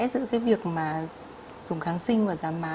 giữa cái việc mà dùng kháng sinh và giảm má